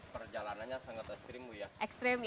perjalanan sangat ekstrim